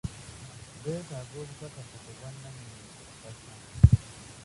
Beetaaga obukakafu ku bwa nannyini ku ttaka.